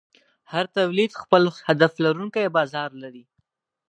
هر تولید خپل هدف لرونکی بازار لري.